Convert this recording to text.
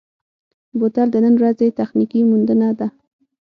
بوتل د نن ورځې تخنیکي موندنه ده.